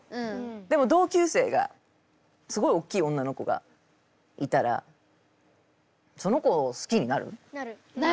でも同級生がすごいおっきい女の子がいたらその子を好きになる？